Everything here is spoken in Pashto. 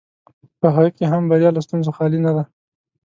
په هغه کې هم بریا له ستونزو خالي نه ده.